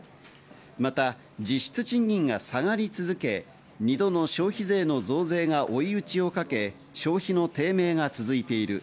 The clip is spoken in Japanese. また、実質賃金が下がり続け、２度の消費税の増税が追い打ちをかけ、消費の低迷が続いている。